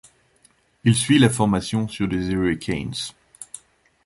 Il suit la formation sur des Hurricanes.